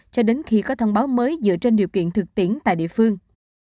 cho đến khi có thông báo mới dựa trên điều kiện thực tiễn tại địa phương